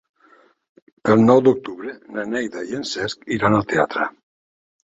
El nou d'octubre na Neida i en Cesc iran al teatre.